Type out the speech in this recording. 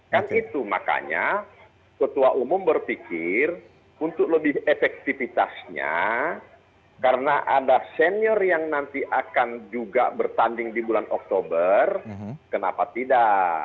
kan itu makanya ketua umum berpikir untuk lebih efektifitasnya karena ada senior yang nanti akan juga bertanding di bulan oktober kenapa tidak